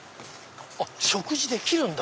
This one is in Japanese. あっ食事できるんだ！